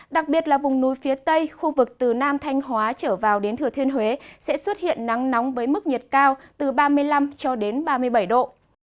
đặc biệt là vùng núi phía tây khu vực từ nam thanh hóa trở vào đến thừa thiên huế sẽ xuất hiện nắng nóng với mức nhiệt cao từ ba mươi năm cho đến ba mươi bảy độ